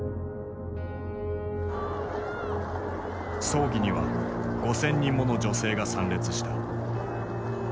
葬儀には５，０００人もの女性が参列した。